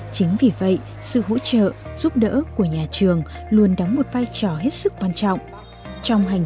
chính vì vậy sự hỗ trợ giúp đỡ của nhà trường luôn đóng một vai trò hết sức quan trọng trong hành